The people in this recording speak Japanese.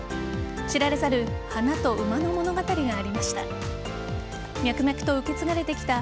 知られざる花と馬の物語がありました。